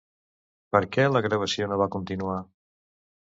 Per què la gravació no va continuar?